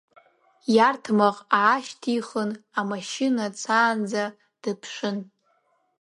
Иарҭмаҟ аашьҭихын, амашьына цаанӡа дыԥшын.